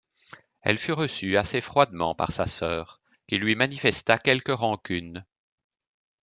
Elle fut reçue assez froidement par sa sœur, qui lui manifesta quelque rancune.